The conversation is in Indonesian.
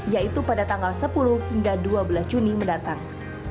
yaitu pada tanggal sepuluh hingga dua belas juni mendatang